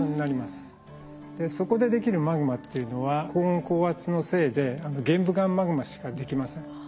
そこでできるマグマっていうのは高温高圧のせいで玄武岩マグマしかできません。